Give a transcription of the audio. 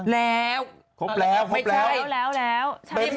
แล้วไม่ใช่